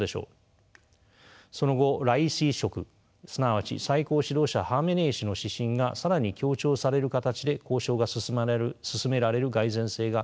その後ライシ色すなわち最高指導者ハーメネイ師の指針が更に強調される形で交渉が進められる蓋然性が高いのです。